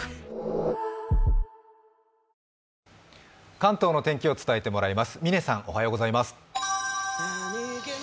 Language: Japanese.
関東の天気を伝えてもらいます。